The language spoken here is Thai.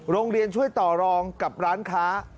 โรงเรียนช่วยต่อรองกับร้านค้า